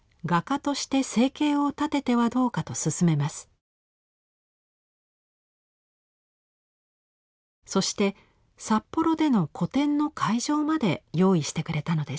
そして札幌での個展の会場まで用意してくれたのです。